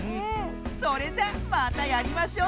それじゃまたやりましょう！